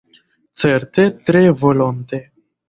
Certe, tre volonte.